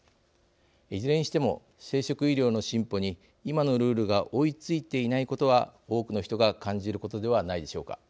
いずれにしても生殖医療の進歩に今のルールが追いついていないことは多くの人が感じることではないでしょうか。